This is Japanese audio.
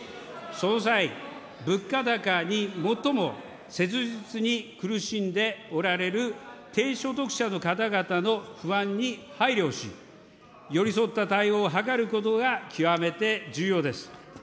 その際、物価高に最も切実に苦しんでおられる、低所得者の方々の不安に配慮し、寄り添った対応を図ることが極めて重要です。